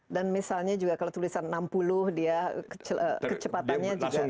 dan misalnya juga kalau tulisan enam puluh dia kecepatannya juga